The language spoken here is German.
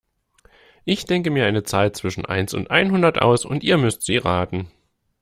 Ich denke mir eine Zahl zwischen eins und einhundert aus und ihr müsst sie raten.